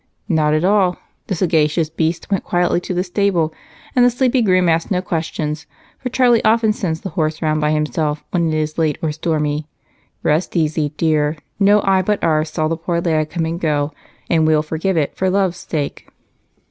"Not at all. The sagacious beast went quietly to the stable, and the sleepy groom asked no questions, for Charlie often sends the horse round by himself when it is late or stormy. Rest easy, dear no eye but ours saw the poor lad come and go, and we'll forgive it for love's sake."